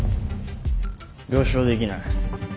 了承できない。